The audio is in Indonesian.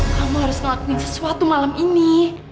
kamu harus ngelakuin sesuatu malam ini